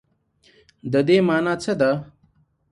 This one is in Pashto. د دې مانا څه ده ؟